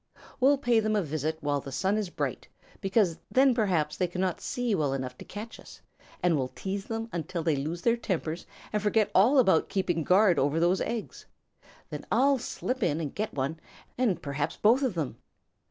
We'll pay them a visit while the sun is bright, because then perhaps they cannot see well enough to catch us, and we'll tease them until they lose their tempers and forget all about keeping guard over those eggs. Then I'll slip in and get one and perhaps both of them.